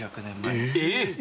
えっ！